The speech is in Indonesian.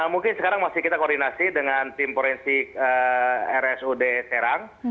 mungkin sekarang masih kita koordinasi dengan tim forensik rsud serang